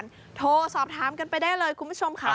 โทรสอบถามกันไปได้เลยคุณผู้ชมค่ะ